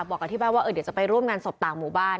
บอกกับที่บ้านว่าเดี๋ยวจะไปร่วมงานศพต่างหมู่บ้าน